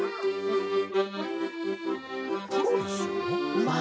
うまい。